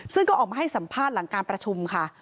ซึ่งก็ออกมาให้สัมภาษณ์หลังการประชุมค่ะ